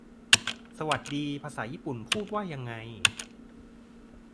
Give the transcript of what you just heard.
สวัสดี ภาษาญี่ปุ่นพูดว่ายังไง